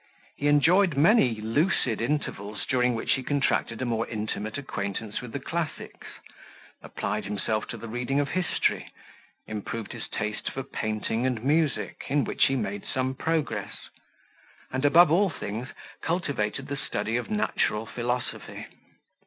He enjoyed many lucid intervals, during which he contracted a more intimate acquaintance with the classics, applied himself to the reading of history, improved his taste for painting and music, in which he made some progress; and, above all things, cultivated the study of natural philosophy.